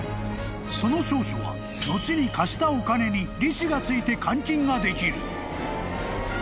［その証書は後に貸したお金に利子が付いて換金ができる］